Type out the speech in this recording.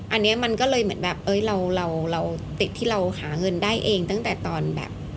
อันนี้มันก็เลยเหมือนแบบเราติดที่เราหาเงินได้เองตั้งแต่ตอนแบบ